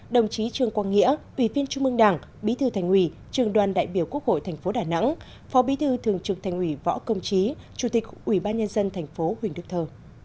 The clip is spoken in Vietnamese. đồng chí trương quang nghĩa ủy viên trung mương đảng bí thư thành ủy trường đoàn đại biểu quốc hội tp đà nẵng phó bí thư thường trực thành ủy võ công trí chủ tịch ủy ban nhân dân tp huỳnh đức thơ